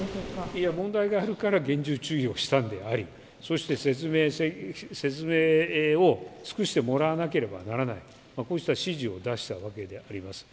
いや、問題があるから厳重注意をしたんであり、そして説明を尽くしてもらわなければならない、こうした指示を出したわけであります。